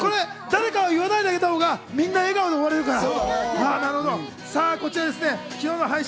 誰かは言わないであげたほうがみんな笑顔で終われるから。